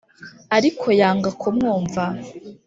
Ariko yanga kumwumva.